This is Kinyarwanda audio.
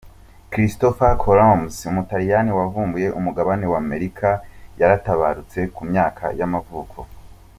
Christopher Columbus, umutaliyani wavumbuye umugabane wa Amerika yaratabarutse, ku myaka y’amavuko.